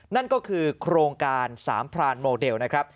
นั่นก็คือโครงการสามพรานโมเดลนะครับ